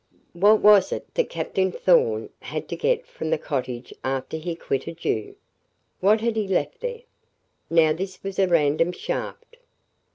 "What was it that Captain Thorn had to get from the cottage after he quitted you? What had he left there?" Now, this was a random shaft.